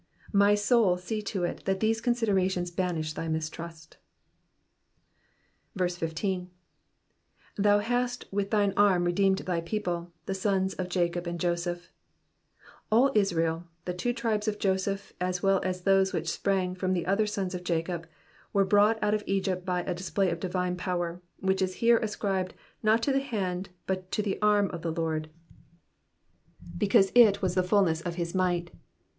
My soul see to it that these considerations banish thy mistrust. 15. *'J%OM hast with thine arm redeemed thy people^ the sorts of Jacob and Josephs All Israel, the two tribes of Joseph as well as those which sprang from ^he other sons of Jacob, were brought out of Egypt by a display of aivine power, which is here ascribed not to the hand but to the arm of the Lord, because it was the fulness of his might.